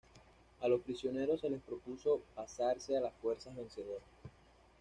A los prisioneros se les propuso pasarse a las fuerzas vencedoras.